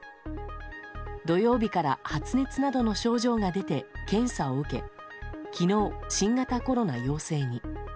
土曜日から発熱などの症状が出て検査を受け昨日、新型コロナ陽性に。